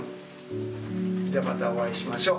じゃまたお会いしましょう。